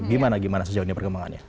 gimana gimana sejauh ini perkembangannya